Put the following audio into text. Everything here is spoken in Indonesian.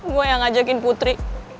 gue yang ngajakin putri